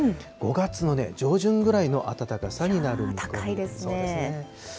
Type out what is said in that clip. ５月の上旬ぐらいの暖かさになる見込みです。